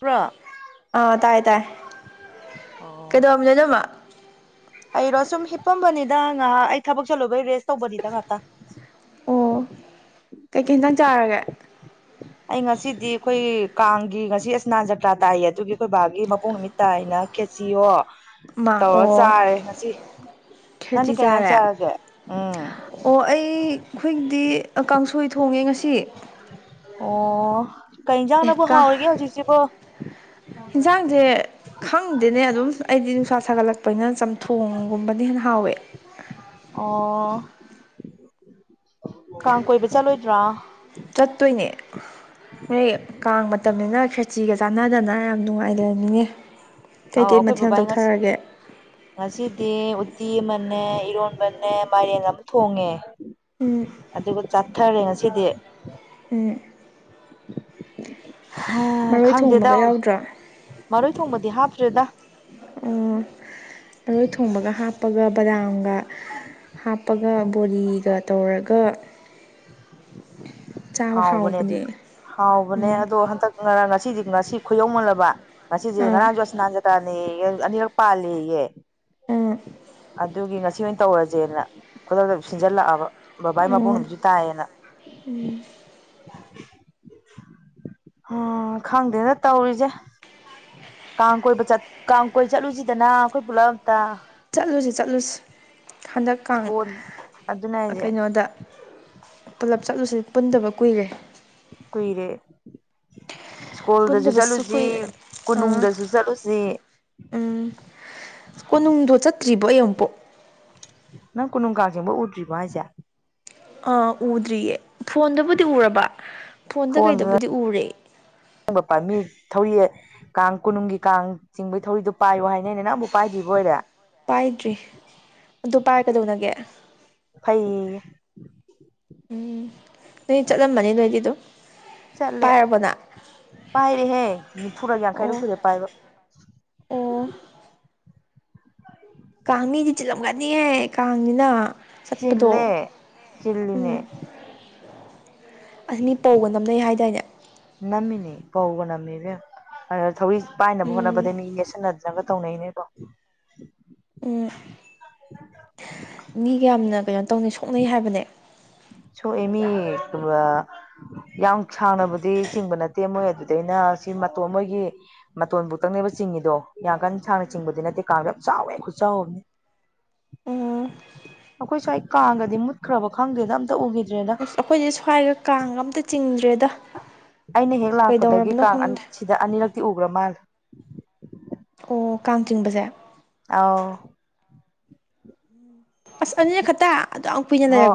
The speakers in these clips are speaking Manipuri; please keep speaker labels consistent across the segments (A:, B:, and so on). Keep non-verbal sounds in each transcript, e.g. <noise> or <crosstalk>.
A: ꯕ꯭ꯔꯣ
B: ꯑꯥ ꯇꯥꯏ ꯇꯥꯏ
A: ꯑꯣ
B: ꯀꯩꯗꯧꯔꯝꯃꯤꯅꯣ ꯅꯣꯏꯃꯥ
A: ꯑꯩ ꯔꯁ ꯑ ꯐꯝꯕꯅꯤꯗ ꯉꯥꯏꯍꯥꯛ ꯑꯩ ꯊꯕꯛ ꯆꯠꯂꯨꯕꯩ ꯔꯦꯁ ꯇꯧꯕꯅꯤꯗ ꯉꯥꯛꯇ
B: ꯑꯣ ꯀꯩꯀꯩ ꯍꯇꯪ ꯆꯥꯔꯒꯦ
A: ꯑꯩ ꯉꯁꯤꯗꯤ ꯑꯩꯈꯣꯏ ꯀꯥꯡꯒꯤ ꯉꯁꯤ ꯑꯁꯅꯥ ꯖꯀ꯭ꯔꯥ ꯇꯥꯏꯌꯦ ꯑꯗꯨꯒꯤ ꯑꯩꯈꯣꯏ ꯕꯥꯒꯤ ꯃꯄꯣꯛ ꯅꯨꯃꯤꯠ ꯇ ꯍꯥꯏꯅ ꯈꯦꯆꯣ ꯇꯧꯔ ꯆꯥꯔꯦ ꯉꯁꯤ ꯅꯪꯗꯤ ꯀꯩ ꯏꯟꯖꯥꯡ
B: ꯁꯦꯇꯤꯖꯥꯔꯦ
A: ꯆꯥꯔꯒꯦ ꯎꯝ
B: ꯑꯣ ꯑꯩ ꯑꯩꯈꯣꯏꯗꯤ ꯀꯥꯡꯁꯣꯏ ꯊꯣꯡꯉꯦ ꯉꯁꯤ
A: ꯑꯣ ꯀꯩ ꯌꯦꯟꯖꯥꯡꯅꯕꯨ ꯍꯥꯎꯔꯒꯦ ꯍꯧꯖꯤꯛꯁꯤꯕ
B: ꯌꯦꯟꯁꯥꯡꯁꯦ ꯈꯪꯗꯦꯅꯦ ꯑꯗꯨꯝ ꯑꯩꯗꯤ ꯅꯨꯡꯁꯥ ꯁꯥꯒꯠꯂꯛꯄꯅꯤꯅ ꯆꯝꯊꯣꯡꯒꯨꯝꯕꯅ ꯍꯦꯟꯅ ꯍꯥꯎꯋꯦ
A: ꯑꯣ ꯀꯥꯡ ꯀꯣꯏꯕ ꯆꯠꯂꯣꯏꯗ꯭ꯔꯥ
B: ꯆꯠꯇꯣꯏꯅꯦ ꯅꯣꯏ ꯀꯥꯡ ꯃꯇꯝꯅꯤꯅ ꯐꯦꯇ꯭ꯔꯤꯒ ꯆꯥꯟꯅꯗꯅ ꯌꯥꯝ ꯅꯨꯡꯉꯥꯏ ꯂꯩꯅꯤꯡꯉꯦ
A: ꯑꯧ
B: ꯀꯩꯀꯩ
A: ꯑꯩꯈꯣꯏ
B: ꯃꯊꯦꯜ ꯇꯧꯊꯔꯒꯦ
A: ꯎꯠꯇꯤ ꯎꯇꯤ ꯑꯃꯅꯦ ꯏꯔꯣꯟꯕꯅꯦ ꯃꯥꯏꯔꯦꯟ ꯑꯃ ꯊꯣꯡꯉꯦ ꯑꯗꯨ
B: ꯎꯝ
A: ꯑꯗꯨꯕꯨ ꯆꯥꯊꯥꯔꯔ ꯉ ꯁꯤꯗꯤ
B: ꯎꯝ <inaudible> ꯃꯔꯣꯏ
A: ꯈꯪꯗꯦꯗ
B: ꯊꯣꯡꯕꯒ ꯌꯥꯎꯗ꯭ꯔꯣ
A: ꯃꯔꯣꯏ ꯊꯣꯡꯕꯗꯤ ꯍꯥꯞꯇ꯭ꯔꯦꯗ
B: ꯑꯣ ꯃꯔꯣꯏ ꯊꯣꯡꯕꯒ ꯍꯥꯞꯄꯒ ꯕꯗꯥꯝꯒ ꯍꯥꯞꯄꯒ ꯕꯣꯂꯤꯒ ꯇꯧꯔꯒ
A: ꯍꯥꯎꯕꯅꯦ ꯑꯗꯨ ꯍꯥꯎꯕꯅꯦ
B: ꯎꯝ
A: ꯑꯗꯣ ꯍꯟꯗꯛ ꯉꯁꯤꯗꯤ ꯉꯁꯤ ꯈꯨꯌꯧꯃꯜꯂꯕ ꯉꯁꯤꯁꯦ
B: ꯑꯥ
A: ꯉꯔꯥꯡꯁꯨ ꯑꯁꯅꯥꯟ ꯖꯇꯥꯅꯤ ꯑꯅꯤꯔꯛ ꯄꯥꯜꯂꯤꯌꯦ
B: ꯎꯝ
A: ꯑꯗꯨꯒꯤ ꯉꯁꯤ ꯑꯣꯏꯅ ꯇꯧꯔꯁꯦꯅ ꯈꯨꯗꯛꯇ ꯁꯤꯟꯖꯜꯂꯛꯑꯕ ꯕꯕꯥꯒꯤ ꯃꯄꯣꯛ ꯅꯨꯃꯤꯁꯨ ꯇꯥꯏꯌꯦꯅ ꯎꯝ
B: ꯎ
A: ꯎꯝ ꯈꯪꯗꯦꯅ ꯇꯧꯔꯤꯁꯦ ꯀꯥꯡ ꯀꯣꯏꯕ ꯆꯠ ꯀꯥꯡ ꯀꯣꯏ ꯆꯠꯂꯨꯁꯤꯗꯅ ꯑꯩꯈꯣꯏ ꯄꯨꯂꯞ ꯑꯝꯇ
B: ꯆꯠꯂꯨꯁꯤ ꯆꯠꯂꯨꯁꯤ ꯍꯟꯗꯛꯀ
A: ꯁ꯭ꯀꯣꯟ ꯑꯗꯨꯅꯦ ꯍꯥꯏꯁꯦ
B: ꯀꯩꯅꯣꯗ ꯄꯨꯂꯞ ꯆꯠꯂꯨꯁꯤ ꯄꯨꯟꯗꯕ ꯀꯨꯏꯔꯦ
A: ꯀꯨꯏꯔꯦ ꯁ꯭ꯀꯨꯜꯗꯁꯨ
B: ꯄꯨꯟꯗꯕꯁꯨ
A: ꯆꯠꯂꯨꯁꯤ
B: ꯀꯨꯏꯔꯦ ꯑꯥ
A: ꯀꯣꯅꯨꯡꯗꯁꯨ ꯆꯠꯂꯨꯁꯤ
B: ꯎꯝ ꯀꯣꯅꯨꯡꯗꯣ ꯆꯠꯇ꯭ꯔꯤꯕꯣ ꯑꯩ ꯑꯃꯨꯛꯄꯣꯛ
A: ꯅꯪ ꯀꯣꯅꯨꯡ ꯀꯥꯡꯖꯤꯡꯕ ꯎꯗ꯭ꯔꯤꯕ ꯍꯥꯏꯁꯦ
B: ꯑꯥ ꯎꯗ꯭ꯔꯤꯌꯦ ꯐꯣꯟꯗꯕꯨꯗꯤ ꯎꯔꯕ ꯐꯣꯟꯗ ꯀꯩꯗꯕꯨꯗꯤ ꯎꯔꯦ
A: ꯕ ꯄꯝꯃꯤ ꯊꯧꯔꯤ ꯀꯥꯡ ꯀꯣꯅꯨꯡꯒꯤ ꯀꯥꯡ ꯆꯤꯡꯕꯒꯤ ꯊꯧꯔꯤꯗꯨꯣ ꯄꯥꯏꯌꯨ ꯍꯥꯏꯅꯦꯅꯦ ꯅꯪ ꯑꯃꯕꯨꯛ ꯄꯥꯏꯗ꯭ꯔꯤꯕ ꯑꯣꯏꯔꯦ
B: ꯄꯥꯏꯗ꯭ꯔꯤ ꯑꯗꯨ ꯄꯥꯏꯔ ꯀꯩꯗꯧꯅꯒꯦ
A: ꯐꯩ <unintelligible>
B: ꯎꯝ ꯅꯣꯏ ꯆꯠꯂꯝꯃꯅꯤ ꯅꯣꯏꯗꯤ ꯑꯗꯨꯝ ꯄꯥꯏꯔꯕꯣꯅ
A: ꯍꯦ ꯅꯤꯐꯨꯒ ꯌꯥꯡꯈꯩꯗꯣ ꯁꯨꯔꯦ ꯄꯥꯏꯕ
B: ꯑꯣ ꯀꯥꯡ ꯃꯤꯗꯤ ꯆꯤꯜꯂꯝꯒꯅꯤꯍꯦ ꯀꯥꯡꯁꯤꯅ ꯆꯠꯄꯗꯣ
A: ꯆꯤꯜꯂꯦ
B: ꯎꯝ
A: ꯆꯤꯜꯂꯤꯅꯦ
B: ꯑꯁ ꯃꯤ ꯄꯧꯒ ꯅꯝꯅꯩ ꯍꯥꯏꯗꯥꯏꯅꯦ
A: ꯄꯧꯕꯅꯃꯤꯕ ꯑꯗꯨ ꯊꯧꯔꯤ ꯄꯥꯏꯅꯕ
B: ꯎꯝ
A: ꯍꯣꯠꯅꯕꯗꯩ ꯃꯤ ꯌꯦꯦꯠꯁꯤꯟꯅꯗꯅꯒ ꯇꯧꯅꯩꯅꯦꯣꯏꯀꯣ
B: ꯎ ꯃꯤꯒ ꯌꯥꯝꯅ ꯀꯩꯅꯣ ꯇꯧꯅꯤꯩ ꯁꯣꯛꯅꯩ ꯍꯥꯏꯕꯅꯦ
A: ꯆꯣ ꯑꯦꯃꯤ ꯀ ꯌꯥꯝ ꯁꯥꯡꯅꯕꯗꯤ ꯆꯤꯡꯕ ꯅꯠꯇꯦ ꯃꯣꯏ ꯑꯗꯨꯗꯩꯅ ꯁꯤ ꯃꯇꯣꯟ ꯃꯣꯏꯒꯤ ꯃꯇꯣꯟꯕꯨꯛꯇꯪꯅꯦꯕ ꯆꯤꯡꯉꯤꯗꯣ ꯌꯥꯡ ꯀꯥꯟ ꯁꯥꯡꯅ ꯆꯤꯡꯕꯗꯤ ꯅꯠꯇꯦ ꯀꯥꯡꯗ ꯌꯥꯝ ꯆꯥꯎꯋꯦ ꯑꯩꯈꯠ ꯆꯥꯎꯕꯅꯦ
B: ꯎꯝ
A: ꯑꯩꯈꯣꯏ ꯁ꯭ꯋꯥꯏ ꯀꯥꯡꯒꯗꯤ ꯃꯨꯠꯈ꯭ꯔꯕ ꯈꯪꯗꯦꯗ ꯑꯝ
B: ꯑꯁ ꯑꯩꯈꯣꯏꯗꯤ ꯁ꯭ꯋꯥꯏꯒ ꯀꯥꯡꯒ ꯑꯝꯇ ꯆꯤꯡꯗ꯭ꯔꯦꯗ
A: ꯑꯩꯅ ꯍꯦꯛ ꯂꯥꯛꯄꯗꯒꯤ
B: ꯀꯩꯗꯧꯔꯕꯅꯣ
A: ꯀꯥꯡ
B: ꯈꯪꯗꯦ
A: ꯁꯤꯗ ꯑꯅꯤꯔꯛꯇꯤ ꯎꯈ꯭ꯔ ꯃꯥꯜꯂꯦ
B: ꯑꯣ ꯀꯥꯡꯆꯤꯡꯕꯁꯦ
A: ꯑꯥꯎ
B: ꯑꯁ ꯑꯅꯤꯅ ꯈꯠꯇ
A: ꯑꯣ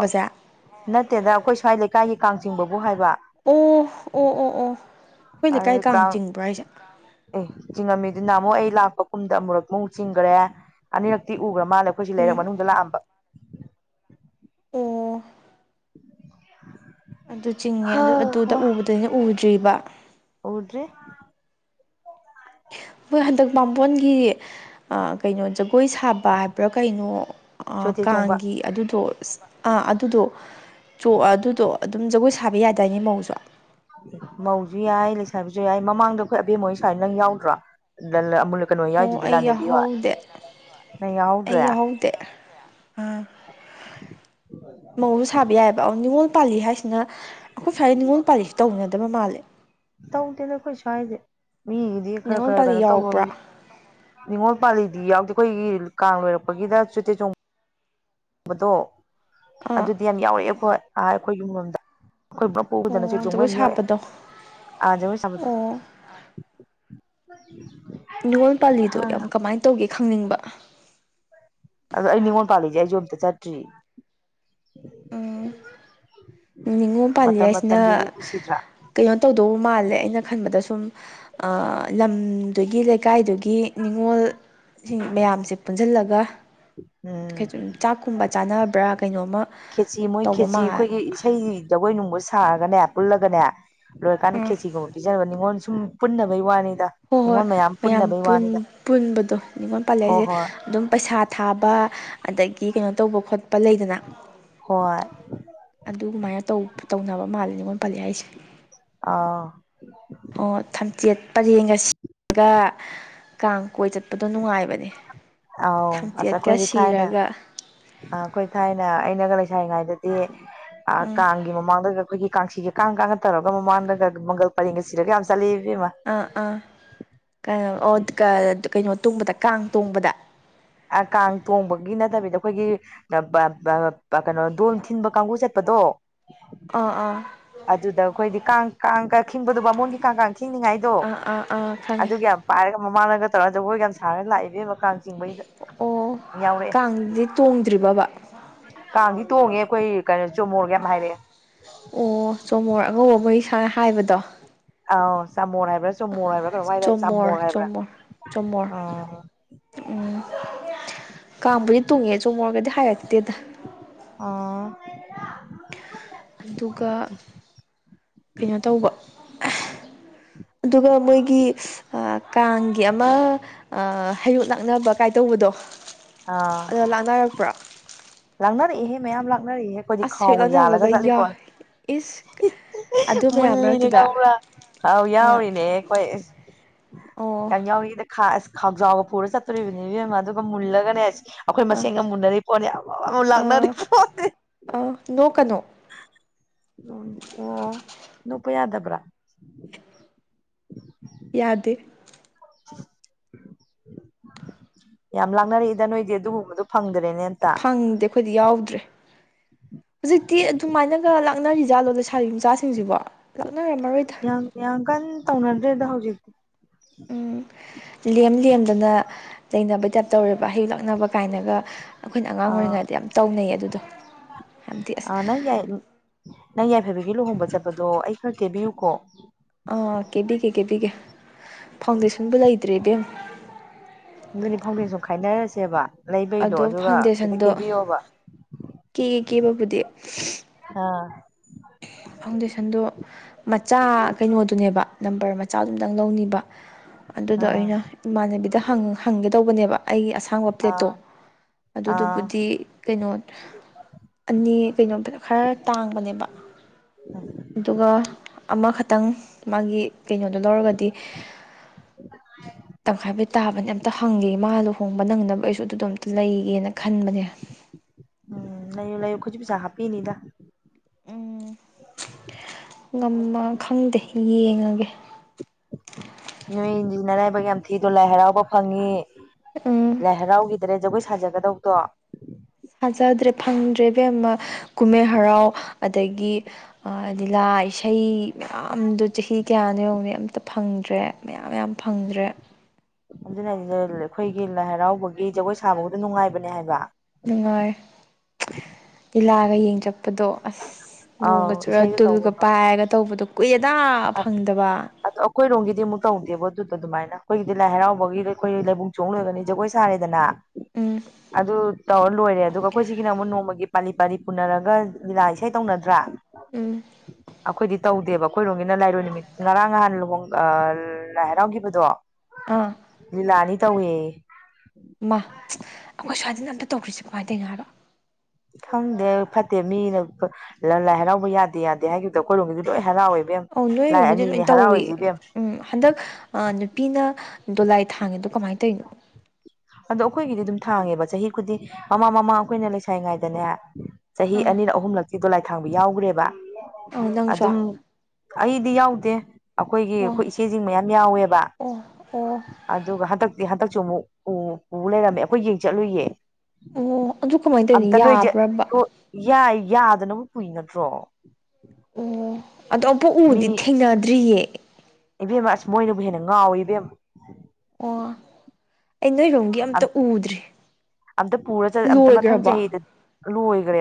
A: ꯅꯠꯇꯦꯗ ꯑꯩꯈꯣꯏ ꯁ꯭ꯋꯥꯏ ꯂꯩꯀꯥꯏꯒꯤ ꯀꯥꯡꯆꯤꯡꯕꯕꯨ ꯍꯥꯏꯕ
B: ꯑꯣ ꯑꯣ ꯑꯣ ꯑꯣ ꯑꯩꯈꯣꯏ ꯂꯩꯀꯥꯏ ꯀꯥꯡ ꯆꯤꯡꯕ꯭ꯔꯥ ꯍꯥꯏꯁꯦ
A: ꯑꯦ ꯆꯤꯡꯉꯝꯃꯤꯗꯨ ꯅꯥꯃꯨ ꯑꯩ ꯂꯥꯛꯄ ꯀꯨꯝꯗ ꯑꯃꯨꯨꯔꯛ ꯑꯃꯨ ꯑꯃꯨꯛ ꯆꯤꯡꯈ꯭ꯔꯦ ꯑꯅꯤꯔꯛꯇꯤ ꯎꯈ꯭ꯔ ꯃꯥꯅ ꯑꯩꯈꯣꯏꯁꯤ ꯂꯩꯔꯛ
B: ꯎꯝ
A: ꯃꯅꯨꯡꯗ ꯂꯥꯛꯑꯝꯕ
B: ꯑꯣ
A: <unintelligible>
B: ꯑꯗꯨ ꯆꯤꯡꯉꯦ
A: ꯍ
B: ꯑꯗꯨ ꯑꯗꯨꯗ ꯎꯕꯗꯅ ꯎꯗ꯭ꯔꯤꯕ
A: ꯍꯗ꯭ꯔꯤ
B: ꯍꯣꯏ ꯍꯟꯗꯛ ꯃꯥꯕꯥꯝꯕꯣꯟꯒꯤ ꯀꯩꯅꯣ ꯖ ꯀꯣꯏ ꯁꯥꯕ ꯍꯥꯏꯕ꯭ꯔꯥ ꯀꯩꯅꯣ
A: ꯆꯣꯊꯦ ꯆꯣꯡꯕ
B: ꯀꯥꯡꯒꯤ ꯑꯗꯨꯗꯣ ꯑꯁ ꯑꯥ ꯑꯗꯨꯗꯣ ꯆ ꯑꯗꯨꯗꯣ ꯑꯗꯨꯝ ꯖꯒꯣꯏ ꯁꯥꯕ ꯌꯥꯗꯥꯏꯅꯦ ꯃꯧꯁꯨ
A: ꯃꯧꯁꯨ ꯌꯥꯏ ꯂꯩꯁꯥꯕꯤꯁꯨ ꯌꯥꯏ ꯃꯃꯥꯡꯗ ꯑꯩꯈꯣꯏ ꯑꯕꯦꯝꯃꯣꯏ ꯁ꯭ꯋꯥꯏꯗ ꯅꯪ ꯌꯥꯎꯗ꯭ꯔꯣ ꯀꯩꯅꯣ
B: ꯑꯣ
A: ꯌꯥꯎꯏꯗꯨꯗꯤ
B: ꯑꯩ
A: ꯂꯥꯅꯦꯕꯤ ꯋꯥ
B: ꯌꯥꯎꯍꯧꯗꯦ ꯑꯩ ꯌꯥꯍꯧꯗꯦ ꯑꯥ ꯃꯡ ꯁꯥꯕ ꯌꯥꯏꯑꯕ ꯅꯤꯉꯣꯜ ꯄꯥꯜꯂꯤ ꯍꯥꯏꯁꯤꯅ ꯑꯩꯈꯣꯏ ꯁ꯭ꯋꯥꯏ ꯅꯤꯡꯉꯣꯜ ꯄꯥꯜꯂꯤꯁꯤ ꯇꯧꯅꯗꯕ ꯃꯥꯜꯂꯦ
A: ꯇꯧꯗꯦ ꯅꯈꯣꯏ ꯁ꯭ꯋꯥꯏꯁꯦ ꯃꯤꯒꯤꯗꯤ ꯈꯔ
B: ꯅꯤꯉꯣꯜ
A: ꯈꯔ
B: ꯄꯥꯜꯂꯤ
A: ꯀꯩꯅꯣ
B: ꯌꯥꯎꯔꯛꯄ꯭ꯔꯥ
A: ꯇꯧꯃꯝꯃꯤ ꯅꯤꯡꯉꯣꯜ ꯄꯥꯜꯂꯤꯗꯤ ꯌꯥꯎꯗꯦ ꯑꯩꯈꯣꯏꯒꯤ ꯀꯥꯡ ꯂꯣꯏꯔꯛꯄꯒꯤꯗ ꯆꯨꯇꯦ ꯆꯣꯡꯕꯗꯣ
B: ꯑꯥ
A: ꯑꯗꯨꯗꯤ ꯌꯥꯝ ꯌꯥꯎꯔꯛꯑꯦ ꯑꯩꯈꯣꯏ ꯑ ꯑꯩꯈꯣꯏ ꯌꯨꯝꯂꯣꯝꯗ ꯑꯩꯈꯣꯏ꯭ꯔ ꯄꯨꯗꯅ ꯆ
B: ꯑꯣ
A: ꯆꯣꯡꯉꯕ
B: ꯖꯒꯣꯏ
A: ꯏꯃꯤ ꯌꯥꯔꯦ
B: ꯁꯥꯕꯗꯣ
A: ꯑꯥꯖꯎꯁꯃꯊꯥ
B: ꯑꯣ ꯅꯤꯡꯅꯤꯉꯣꯜ ꯄꯥꯂꯤꯗꯣ ꯌꯥꯝ ꯀꯃꯥꯏꯅ ꯇꯧꯒꯦ ꯈꯪꯅꯤꯡꯕ
A: ꯑꯗꯣ ꯑꯩ ꯅꯤꯉꯣꯜ ꯄꯥꯜꯂꯤꯁꯦ ꯑꯩ ꯌ ꯑꯝꯇ ꯆꯠꯇ꯭ꯔꯤ
B: ꯅꯤꯉꯣꯜ ꯄꯥꯜꯂꯤ
A: ꯃꯇꯝ
B: ꯍꯥꯏꯁꯤꯅ
A: ꯃꯇꯝꯗꯨꯒꯤ ꯅꯨꯡꯁꯤꯗ꯭ꯔꯥ
B: ꯀꯩꯅꯣ ꯇꯧꯗꯧꯕ ꯃꯥꯜꯂꯦ ꯑꯩꯅ ꯈꯟꯕꯗ ꯁꯨꯝ ꯂꯝꯗꯨꯒꯤ ꯂꯩꯀꯥꯏꯗꯨꯒꯤ ꯅꯤꯡꯅꯤꯉꯣꯜ ꯁꯤꯡ ꯃꯌꯥꯝꯁꯦ ꯄꯨꯟꯁꯤꯜꯂꯒ
A: ꯎꯝ
B: ꯆꯥꯛꯀꯨꯝꯕ ꯆꯥꯅꯕ꯭ꯔꯥ ꯀꯩꯅꯣꯝꯃ
A: ꯈꯦꯆꯤ ꯃꯣꯏ
B: ꯇꯧꯕ
A: ꯈꯦꯆꯤ
B: ꯃꯥꯜꯂꯦ
A: ꯑꯩꯈꯣꯏꯒꯤ ꯏꯁꯩꯗꯒꯣꯏ ꯅꯨꯡꯕ ꯁꯥꯔꯒꯅꯦ ꯄꯨꯜꯂꯒꯅꯦ ꯂꯣꯏꯔꯀꯥꯟꯗ
B: ꯎꯝ
A: ꯈꯦꯁꯤꯒꯨꯝꯕ ꯄꯤꯖꯅꯕ ꯅꯤꯉꯣꯟꯜ ꯁꯨꯝ ꯄꯨꯟꯅꯕꯩ ꯋꯥꯅꯤ
B: ꯍꯣꯏ ꯍꯣꯏ ꯃꯌꯥꯝ ꯄꯨꯟꯕꯗꯣ ꯅꯤꯉꯣꯜ
A: ꯍꯣꯏ
B: ꯄꯥꯜꯂꯁꯦ
A: ꯍꯣꯏ
B: ꯑꯗꯨꯝ ꯄꯩꯁꯥ ꯊꯥꯕ ꯑꯗꯒꯤ ꯀꯩꯅꯣ ꯇꯧꯕ ꯈꯣꯠꯄ ꯄ ꯂꯩꯗꯅ
A: ꯍꯣꯏ
B: ꯑꯗꯨꯃꯥꯏꯅ ꯇꯧꯅꯕ ꯃꯥꯜꯂꯦ ꯉꯣꯟ ꯄꯜꯂꯤꯂꯤꯌꯥ ꯍꯥꯏꯁꯦ
A: ꯑꯥ
B: ꯑꯣ ꯊꯝꯆꯦꯠ ꯄꯔꯦꯡꯒꯁꯤ ꯑꯗꯨꯒ ꯀꯥꯡ ꯀꯣꯏ ꯆꯠꯄꯗꯣ ꯅꯨꯡꯉꯥꯏꯕꯅꯦ
A: ꯑꯥꯎ ꯑ
B: ꯊꯝꯆꯦꯠꯀ
A: ꯑꯩꯈꯣꯏꯗꯤ ꯊꯥꯏꯅ
B: ꯁꯤꯔꯒ
A: ꯑ ꯑꯩꯈꯣꯏ ꯊꯥꯏꯅ ꯑꯩꯅꯒ ꯂꯩ ꯏꯁꯉꯥꯏꯗꯗꯤ
B: ꯎꯝ
A: ꯀꯥꯡꯒꯤ ꯃꯃꯥꯡꯗ ꯑꯩꯈꯣꯏꯒꯤ ꯀꯥꯡꯁꯤꯒ ꯀꯥꯡꯅ ꯇꯧꯔꯒ ꯃꯃꯥꯡꯗꯒ ꯃꯪꯒꯜ ꯄꯔꯦꯡꯒ ꯁꯤꯔꯒ ꯌꯥꯝ ꯆꯠꯂꯤ
B: ꯑꯥ ꯑꯥ ꯑꯣ ꯀꯩꯅꯣ ꯇꯣꯡꯕꯗ ꯀꯥꯡ ꯇꯣꯡꯕꯗ
A: ꯀꯥꯡ ꯇꯣꯡꯕꯒꯤ ꯅꯠꯇꯕꯤꯗ ꯑꯩꯈꯣꯏꯒꯤ ꯀꯩꯅꯣ ꯗꯣꯣꯟ ꯊꯤꯟꯕ ꯀꯥꯡꯕꯨ ꯆꯠꯄ ꯑꯗꯣ
B: ꯑꯥ ꯑꯥ
A: ꯑꯗꯨꯗ ꯑꯩꯈꯣꯏꯗꯤ ꯀꯥꯡ ꯀꯥꯡꯀ ꯈꯤꯕꯗꯨꯕꯥꯃꯣꯟꯒꯤ ꯀꯥꯡ ꯀꯥꯡ ꯈꯤꯅꯤꯡꯉꯥꯏꯗꯣ
B: ꯑꯥ ꯑꯥ ꯑꯥ ꯈꯪꯉꯦ
A: ꯑꯗꯨꯒ ꯌꯥꯝ ꯄꯥꯏꯔꯒ ꯃꯃꯥꯡꯂꯒ ꯇꯧꯔ ꯑꯗꯨꯒꯈꯣꯏꯒ ꯌꯥꯝ ꯁꯥꯔꯒ ꯂꯥꯛꯏꯕ ꯃꯀ ꯀꯥꯡꯁꯤꯡ
B: ꯑꯣ ꯀꯥꯡꯗꯨꯗꯤ ꯇꯣꯡꯗ꯭ꯔꯤꯕꯕ
A: ꯀꯥꯡꯗꯤ ꯇꯣꯡꯉꯦ ꯑꯩꯈꯣꯏ ꯀꯩꯅꯣ ꯆꯣꯃꯣꯔꯒ ꯌꯥꯝ ꯍꯥꯏꯔꯛꯑꯦ
B: ꯑꯣ ꯆꯣꯃꯣꯔ ꯑꯉꯧꯕ ꯃꯔꯤ ꯁꯥꯥꯡꯅ ꯍꯥꯏꯕꯗꯣ
A: ꯑ ꯁꯃꯣꯅ ꯍꯥꯏꯕ ꯆꯨꯝꯃꯨꯔ ꯍꯥꯏꯕ꯭ꯔꯥ ꯀꯔꯝ ꯍꯥꯏ ꯇꯦ
B: ꯆꯣꯃꯣꯔ
A: ꯆꯥꯃꯨꯔ ꯍꯥꯏꯕ꯭ꯔꯥ
B: ꯆꯣꯃꯣꯔ ꯆꯣꯃꯣꯔ
A: ꯎꯝ
B: ꯀꯥꯡꯥꯕꯨꯗꯤ ꯇꯨꯡꯉꯦ ꯆꯨꯝꯃꯣꯔꯒꯗꯤ ꯍꯥꯏꯔꯛꯇꯦꯗ
A: ꯑꯥ
B: ꯑꯗꯨꯒ ꯀꯩꯅꯣ ꯇꯧꯕ ꯑꯗꯨꯒ ꯃꯣꯏꯒꯤ ꯀꯥꯡꯒꯤ ꯑꯃ ꯍꯩꯌꯨꯠ ꯂꯥꯛꯅꯕ ꯀꯥꯏꯗꯧꯕꯗꯣ ꯑꯗꯣ ꯂꯥꯛꯅꯔꯛꯄ꯭ꯔꯥ
A: ꯂꯥꯛꯅꯔꯛꯏꯦꯍꯦ ꯃꯌꯥꯝ ꯂꯥꯛꯅꯔꯛꯏꯍꯦ ꯑꯩꯈꯣꯏꯗꯤ
B: ꯑꯁ ꯍꯦꯛ
A: ꯈꯥꯎꯒ ꯌꯥꯜꯂꯒ
B: ꯂꯥꯟꯅꯕꯒ
A: ꯆꯠꯂꯤꯕꯣ
B: ꯌꯥꯎ ꯏꯁ ꯑꯗꯨ ꯃꯌꯥꯝ
A: ꯃꯨꯜꯂꯤꯅꯦ
B: ꯃꯔꯛꯇꯨꯗ
A: ꯀ꯭ꯔꯥ ꯍꯥꯎ
B: ꯑꯥ
A: ꯌꯥꯎꯔꯤꯅꯦ ꯑꯩꯈꯣꯏ
B: ꯑꯣ
A: ꯀꯌꯥꯝ ꯌꯥꯎꯔꯤꯗ ꯑꯁ ꯈꯥꯎꯖꯥꯎꯕ ꯄꯨꯔ ꯆꯠꯇꯣꯔꯤꯕꯅꯤ ꯌ ꯑꯃ ꯑꯗꯨꯒ ꯃꯨꯜꯂꯒꯅꯦ ꯑꯩꯈꯣꯏ
B: ꯑꯥ
A: ꯃꯁꯦꯟꯒ ꯃꯨꯟꯅꯔꯤ ꯄꯣꯠꯅꯤ ꯑ ꯑꯃ ꯂꯥꯛꯅꯔꯤ
B: ꯑꯥ
A: ꯄꯣꯠꯅꯤ
B: ꯑꯥ ꯅꯣꯛꯀꯅꯣ
A: ꯅꯨꯣꯄ ꯌꯥꯗꯕ꯭ꯔꯥ
B: ꯌꯥꯗꯦ
A: ꯌꯥꯝ ꯂꯥꯛꯅꯔꯛꯏꯗ ꯅꯣꯏꯗꯤ ꯑꯗꯨꯒꯨꯝꯕꯗꯣ ꯐꯪꯗ꯭ꯔꯦ
B: ꯐꯪꯗꯦ ꯑꯩꯈꯣꯏꯗꯤ ꯌꯥꯎꯗ꯭ꯔꯦ ꯍꯧꯖꯤꯛꯇꯤ ꯑꯗꯨꯃꯥꯏꯅꯒ ꯂꯥꯛꯅꯔꯤꯖꯥꯠꯂꯣꯗ ꯁꯥꯔꯤ ꯃꯆꯥꯁꯤꯡꯁꯤꯕꯣ ꯂꯥꯛꯅꯔꯝꯃꯔꯣꯏꯗ
A: ꯌꯥꯝ ꯌꯥꯝ ꯀꯟꯅ ꯇꯧꯅꯗ꯭ꯔꯦꯗ ꯍꯧꯖꯤꯛꯇꯤ
B: ꯎꯝ ꯂꯦꯝ ꯂꯦꯝꯗꯅ ꯆꯩꯅꯕꯩ ꯇꯥꯏꯞ ꯇꯧꯔꯦꯕ ꯑꯌꯨꯛ ꯂꯛꯅꯕ ꯀꯥꯏꯅꯒ ꯑꯩꯈꯣꯏꯅ ꯑꯉꯥꯡ ꯑꯣꯏꯔꯤꯉꯩꯗ ꯌꯥꯝ ꯇꯧꯅꯩꯌꯦ ꯑꯗꯨꯗꯣ ꯌꯥꯝꯗꯤ
A: ꯑ
B: ꯑꯁ
A: ꯅꯪ ꯌꯥꯏ ꯅꯪ ꯌꯥꯏꯐꯕꯒꯤ ꯂꯨꯍꯣꯡꯕ ꯆꯠꯄꯗꯣ ꯑꯩ ꯈꯔ ꯇꯦꯕꯤꯌꯨꯀꯣ
B: ꯑꯥ ꯀꯦꯕꯤꯒꯦ ꯀꯦꯕꯤꯒꯦ ꯐꯥꯎꯟꯗꯦꯁꯟꯕꯨ ꯂꯩꯇ꯭ꯔꯦ ꯏꯕꯦꯝ
A: ꯑꯗꯨꯅꯤ ꯐꯥꯎꯗꯦꯟ ꯁ ꯈꯥꯏꯅꯔꯁꯦꯕ ꯂꯩꯕꯩꯗꯣ
B: ꯑꯗꯣ
A: ꯑꯗꯨꯒ ꯈꯤꯇ ꯀꯦꯕꯤꯌꯣꯕ
B: ꯀꯦ ꯀꯩ ꯀꯦ ꯕꯕꯨꯗꯤ
A: ꯑꯥ
B: ꯐꯥꯎꯟꯗꯦꯁꯟꯗꯣ ꯃꯆꯥ ꯀꯩꯅꯣꯗꯨꯅꯦꯕ ꯅꯝꯕꯔ ꯃꯆꯥꯗꯨꯝꯇꯪ ꯂꯧꯅꯤꯕ ꯑꯗꯨꯗꯣ
A: ꯑꯥ
B: ꯑꯩꯅ ꯏꯃꯥꯟꯅꯕꯤꯗ ꯍꯪꯒꯦꯗꯧꯕꯅꯦꯕ ꯑꯩꯒꯤ ꯑꯁꯥꯡꯕ ꯄ꯭ꯂꯦꯠꯇꯣ
A: ꯑꯥ ꯑꯥ
B: ꯑꯗꯨꯗꯨꯕꯨꯗꯤ ꯀꯩꯅꯣ ꯑꯅꯤ ꯀꯩꯅꯣ ꯈꯔ ꯇꯥꯡꯕꯅꯦꯕ ꯑꯗꯨꯒ ꯑꯃ ꯪ ꯃꯥ ꯀꯩꯅꯣꯗꯣ ꯂꯧꯔꯒꯗꯤ ꯇꯪꯈꯥꯏꯕꯩ ꯇꯥꯕꯅꯦ ꯑꯝꯇ ꯍꯪꯒꯦ ꯃꯥ ꯂꯨꯍꯣꯡꯕ ꯅꯪꯅꯕ ꯑꯩꯁꯨ ꯑꯗꯨꯗꯣ ꯑꯝꯇ ꯂꯩꯒꯦꯅ ꯈꯟꯕꯅꯦ <inaudible>
A: ꯎꯝ ꯂꯥꯏꯌꯨ ꯂꯥꯏꯌꯨꯈꯠꯁꯨ ꯄꯩꯁꯥ ꯍꯥꯞꯄꯤꯅꯤꯗ
B: ꯉꯃ ꯈꯪꯗꯦ ꯌꯦꯡꯉꯒꯦ
A: ꯅꯣꯏ ꯏꯟꯁꯤꯅꯔꯥꯏꯕꯛ ꯌꯥꯝ ꯊꯤꯗꯣ ꯂꯥꯏ ꯍꯔꯥꯎꯕ ꯐꯪꯉꯤ
B: ꯎꯝ
A: ꯂꯥꯏ ꯍꯔꯥꯎꯈꯤꯗ꯭ꯔꯦ ꯖꯒꯣꯏ ꯁꯥꯖꯒꯗꯧꯗꯣ
B: ꯁꯥꯖꯗ꯭ꯔꯦ ꯐꯪꯗ꯭ꯔꯦꯕꯦꯝꯃ ꯀꯨꯝꯍꯩ ꯍꯔꯥꯎ ꯑꯗꯒꯤ ꯂꯤꯂꯥ ꯏꯁꯩ ꯃꯌꯥꯝꯗꯣ ꯆꯍꯤ ꯀꯌꯥꯅꯣ ꯌꯧꯅ ꯑꯝꯇ ꯐꯪꯗ꯭ꯔꯦ ꯦ ꯃꯌꯥꯝ ꯌꯥꯝꯌꯥꯝ ꯐꯪꯗ꯭ꯔꯦ
A: ꯑꯗꯨꯅꯗ ꯑꯩꯈꯣꯏꯒꯤ ꯂꯥꯏ ꯍꯔꯥꯎꯕꯒꯤ ꯖꯒꯣꯏ ꯁꯥꯕꯕꯨꯗ ꯅꯨꯡꯉꯥꯏꯕꯅꯦ ꯍꯥꯏꯕ
B: ꯅꯨꯡꯉꯥꯏ ꯂꯤꯂꯥꯒ ꯌꯦꯡ ꯆꯛꯄꯗꯣ ꯑꯁ
A: ꯑꯥꯎ
B: ꯅꯣꯡꯒ ꯆꯨꯔꯒ
A: ꯏꯁꯩꯒ
B: ꯇꯨꯜꯒ
A: ꯇꯧꯕꯗꯣ
B: ꯄꯥꯏꯔꯒ ꯇꯧꯕꯗꯣ ꯀꯨꯏꯠ
A: ꯑꯗꯣ ꯑꯩꯈꯣꯏ ꯔꯣꯡꯒꯤꯗꯤ ꯑꯃꯨꯛ ꯇꯧꯗꯦꯕ ꯑꯗꯨ ꯑꯗꯨꯃꯥꯏꯅ ꯑꯩꯈꯣꯏꯒꯤꯗꯤ ꯂꯥꯏ ꯍꯔꯥꯎꯕꯒꯤ ꯑꯩꯈꯣꯏ ꯂꯩꯕꯨꯡ ꯆꯣꯡ ꯂꯣꯏꯒꯅꯤ ꯖꯒꯣꯏ ꯁꯥꯔꯦꯗꯅ
B: ꯎꯝ
A: ꯑꯗ ꯇꯧꯔ ꯂꯣꯏꯔꯦ ꯑꯗꯨꯒ ꯑꯩꯈꯣꯏ ꯁꯤꯒꯤꯅ ꯑꯃꯨꯛ ꯅꯣꯡꯃꯒꯤ ꯄꯥꯂꯤ ꯄꯥꯂꯤ ꯄꯨꯅꯔꯒ ꯂꯤꯂꯥ ꯏꯁꯩ ꯇꯧꯅꯗ꯭ꯔꯥ
B: ꯎꯝ
A: ꯑꯩꯈꯣꯏꯗꯤ ꯇꯧꯗꯦꯕ ꯑꯩꯈꯣꯏꯔꯣꯝꯒꯤꯅ ꯂꯥꯏꯔꯣꯏ ꯅꯨꯃꯤꯠ ꯉꯔꯥꯡ ꯅꯍꯥꯟ ꯂꯨꯍꯣꯡ ꯂꯥꯏ ꯍꯔꯥꯎꯈꯤꯕꯗꯣ
B: ꯑꯥ
A: ꯂꯤꯂꯥꯅꯤ ꯇꯧꯌꯦ
B: ꯃꯥ ꯑꯩꯈꯣꯏ ꯁ꯭ꯋꯥꯏꯗꯅ ꯑꯝꯇ ꯇꯧꯈ꯭ꯔꯤꯁꯦ ꯀꯃꯥꯏꯅꯗꯧ ꯉꯥꯏꯔꯣ
A: ꯈꯪꯗꯦ ꯐꯠꯇꯦ ꯃꯤꯅ ꯂꯥꯏ ꯍꯔꯥꯎꯕ ꯌꯥꯗꯦ ꯌꯥꯗꯦ ꯍꯥꯏꯈꯤꯕꯗꯣ ꯑꯩꯈꯣꯏꯔꯣꯝꯒꯤꯗꯤ ꯂꯣꯏ ꯍꯔꯥꯎꯋꯦꯕ
B: ꯑ ꯅꯣꯏꯔꯣꯝꯒꯗꯤ ꯂꯣꯏ ꯇꯧꯏ ꯎꯝ ꯍꯟꯗꯛ ꯅꯨꯄꯤꯅ ꯗꯣꯂꯥꯏ ꯊꯥꯡꯉꯦꯗꯣ ꯀꯃꯥꯏꯅ ꯇꯧꯔꯤꯅꯣ
A: ꯑꯗꯣ ꯑꯩꯈꯣꯏꯒꯤꯗꯤ ꯑꯗꯨꯝ ꯊꯥꯡꯉꯦꯕ ꯆꯍꯤ ꯈꯨꯗꯤꯡ ꯃꯃꯥ ꯃꯃꯥ ꯑꯩꯈꯣꯏꯅ ꯂꯩꯁꯥꯏ ꯉꯥꯏꯗꯅꯦ ꯆꯍꯤ
B: ꯑꯥ
A: ꯑꯅꯤꯅ ꯑꯍꯨꯝꯂꯛꯇꯤ ꯗꯣꯂꯥꯏ ꯊꯥꯡꯕ ꯌꯥꯎꯈ꯭ꯔꯦꯕ
B: ꯑꯧ ꯅꯪꯁꯨ
A: ꯑꯗꯨꯝ ꯑꯩ ꯗꯤ ꯌꯥꯎꯗꯦ ꯑꯩꯈꯣꯏꯒꯤ
B: ꯑꯣ
A: ꯑꯩꯈꯣꯏ ꯏꯆꯦꯁꯤꯡ ꯃꯌꯥꯝ ꯌꯥꯎꯋꯦꯕ
B: ꯑꯣ ꯑꯣ
A: ꯑꯗꯨꯒ ꯍꯟꯗꯛꯇꯤ ꯍꯟꯗꯛꯁꯨ ꯑꯃꯨꯛ ꯎ ꯎ ꯂꯩꯔꯝꯃꯦ ꯑꯩꯈꯣꯏ ꯌꯦꯡ ꯆꯠꯂꯨꯌꯦ
B: ꯑꯣ ꯑꯗꯨ ꯀꯃꯥꯏꯅ ꯇꯧꯔꯤꯅꯣ
A: ꯑꯝꯇ ꯅꯣꯏꯁꯦ
B: ꯌꯥꯕ꯭ꯔꯕ
A: ꯌꯥꯗꯅꯕ ꯄꯨꯏ ꯅꯠꯇ꯭ꯔꯣ
B: ꯑꯣ ꯑꯗꯣ ꯑꯃꯄꯛ ꯎꯗꯤ ꯊꯦꯡꯅꯗ꯭ꯔꯤꯌꯦ
A: ꯏꯕꯦꯝ ꯑꯁ ꯃꯣꯏꯅꯕꯨ ꯍꯦꯟꯅ ꯉꯥꯎꯏꯤ ꯏꯕꯦꯝ
B: ꯀ ꯑꯩ ꯅꯣꯏꯔꯣꯝꯒꯤ ꯑꯝꯇ ꯎꯗ꯭ꯔꯤ ꯂꯣꯏꯈ꯭ꯔꯕ
A: ꯂꯣꯏꯣꯏꯒꯦ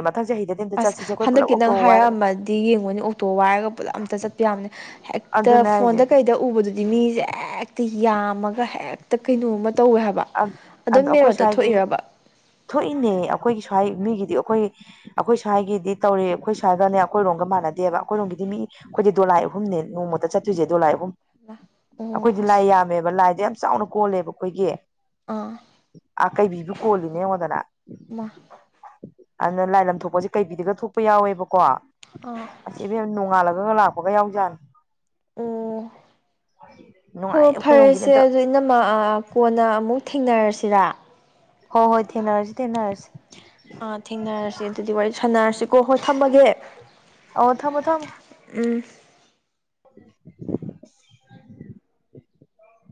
B: ꯑꯁ ꯍꯟꯗꯛꯀꯤ ꯅꯪ ꯍꯥꯏꯔꯛꯑꯝꯃꯗꯤ ꯌꯦꯡꯉꯨꯅꯤ ꯑꯣꯛꯇꯣ ꯋꯥꯏꯔꯒ ꯄꯨꯂꯞ ꯑꯝꯇ ꯆꯠꯄꯤ ꯌꯥꯕꯅꯦ ꯍꯦꯛꯇ ꯗ
A: ꯑꯗꯨꯅꯦ
B: ꯐꯣꯟꯗ
A: ꯍꯥꯏꯁꯦ
B: ꯀꯩꯗ ꯎꯕꯗꯨꯗꯤ ꯃꯤꯁꯦ ꯍꯦꯛꯇ ꯌꯥꯝꯃꯒ ꯍꯦꯛꯇ ꯇ ꯀꯩꯅꯣꯝꯃ ꯇꯧꯋꯦ ꯍꯥꯏꯕ ꯑꯗꯨꯝ
A: ꯑꯗꯣ ꯑꯩꯈꯣꯏ
B: ꯃꯦꯔꯣꯗ
A: ꯁ꯭ꯋꯥꯏꯒꯤ
B: ꯊꯣꯛꯏꯔꯕ
A: ꯊꯣꯛꯏꯅꯦ ꯑꯩꯈꯣꯏꯒꯤ ꯁ꯭ꯋꯥꯏ ꯃꯤꯒꯤꯗꯤ ꯑꯩꯈꯣꯏ ꯑꯩꯈꯣꯏ ꯁ꯭ꯋꯥꯏꯒꯤꯗꯤ ꯇꯧꯔꯤ ꯑꯩꯈꯣꯏ ꯁ꯭ꯋꯥꯒꯅꯦ ꯑꯩꯈꯣꯏꯔꯣꯝꯒ ꯃꯥꯟꯅꯗꯦꯕ ꯑꯩꯈꯣꯏꯔꯣꯝꯒꯤꯗꯤ ꯃꯤ ꯑꯩꯈꯣꯏꯗꯤ ꯗꯣꯂꯥꯏ ꯑꯍꯨꯝꯅꯦ ꯅꯣꯡꯃꯇ ꯆꯠꯇꯣꯏꯁꯦ ꯗꯣꯂꯥꯏ ꯑꯍꯨꯝ
B: ꯑꯣ
A: ꯑꯩꯈꯣꯏꯗꯤ ꯂꯥꯏ
B: ꯑꯁ
A: ꯌꯥꯝꯃꯦꯕ ꯂꯥꯏꯗ ꯌꯥꯝ ꯆꯥꯎꯅ ꯀꯣꯜꯂꯦꯕ ꯑꯩꯈꯣꯏꯒꯤ
B: ꯑꯥ
A: ꯑꯀꯩꯕꯤꯕꯨ ꯀꯣꯜꯂꯤꯅꯦ ꯑꯩꯉꯣꯟꯗꯅ
B: ꯃꯥ
A: ꯑꯗꯨꯅ ꯂꯥꯏꯂꯝ ꯊꯣꯛꯄꯁꯦ ꯀꯩꯕꯤꯗꯒ ꯊꯣꯛꯄ ꯌꯥꯎꯋꯦꯕꯀꯣ
B: ꯑꯥ
A: ꯑꯁꯤꯕ ꯌꯥꯝ ꯅꯣꯡꯉꯥꯜꯂ ꯑꯗꯨ ꯂꯥꯛꯄꯒ ꯌꯥꯎꯖꯅꯤ
B: ꯍꯣ ꯐꯔꯁꯦ ꯑꯗꯨꯣ ꯏꯅ ꯀꯣꯟꯅ ꯑꯃꯨꯛ ꯊꯦꯡꯅꯔꯁꯤꯔ
A: ꯍ ꯍꯣꯏ ꯊꯦꯡꯅꯔꯁꯤ ꯊꯦꯡꯅꯔꯁꯤ
B: ꯀꯣ ꯍꯣꯏ ꯊꯝꯃꯒꯦ
A: ꯑꯣ ꯊ ꯃ ꯊꯃ
B: ꯎꯝ
A: <unintelligible>